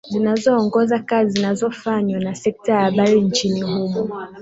zinazoongoza kazi zinazofanywa na sekta ya habari nchini humo